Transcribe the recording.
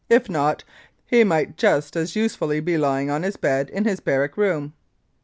If not, he might just as use fully be lying on his bed in his barrack room."